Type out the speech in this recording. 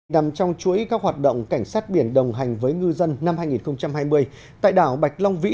nằm trong chuỗi các hoạt động cảnh sát biển đồng hành với ngư dân năm hai nghìn hai mươi tại đảo bạch long vĩ